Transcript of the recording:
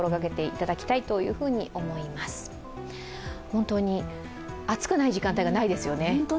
本当に暑くない時間帯がないですよね。